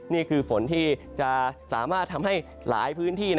นี่คือฝนที่จะสามารถทำให้หลายพื้นที่